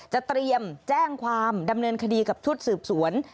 เตรียมแจ้งความดำเนินคดีกับชุดสืบสวน